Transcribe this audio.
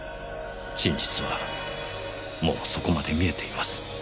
真実はもうそこまで見えています。